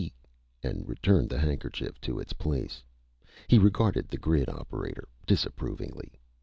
_" and returned the handkerchief to its place. He regarded the grid operator disapprovingly.